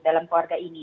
dalam keluarga ini